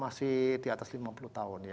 masih di atas kira kira masih di atas kira kira